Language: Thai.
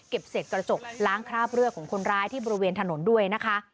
เสร็จกระจกล้างคราบเลือดของคนร้ายที่บริเวณถนนด้วยนะคะ